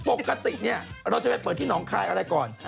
ปกติเนี่ยเราจะไปเปิดที่หนองคายอะไรก่อน